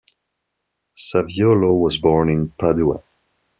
Saviolo was born in Padua.